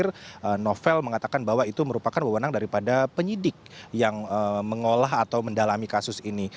terakhir novel mengatakan bahwa itu merupakan wewenang daripada penyidik yang mengolah atau mendalami kasus ini